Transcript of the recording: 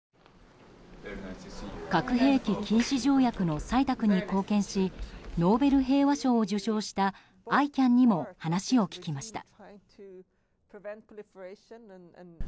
核兵器禁止条約の採択に貢献しノーベル平和賞を受賞したＩＣＡＮにも話を聞きました。